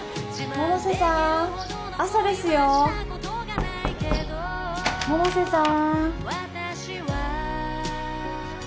百瀬さーん朝ですよー百瀬さーん